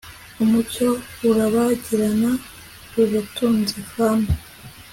Umucyo urabagirana ubutunziflame